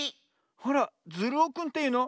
あらズルオくんというの？